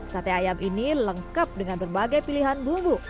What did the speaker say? sate ayam ini lengkap dengan berbagai pilihan bumbu